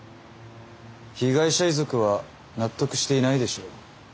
被害者遺族は納得していないでしょう。